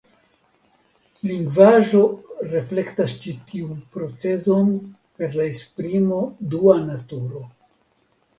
Lingvaĵo reflektas ĉi tiun procezon per la esprimo dua naturo.